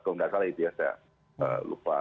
kalau nggak salah itu ya saya lupa